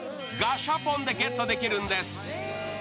ガシャポンでゲットできるんです。